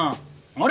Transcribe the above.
あれ？